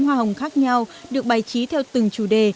hoa hồng khác nhau được bày trí theo từng chủ đề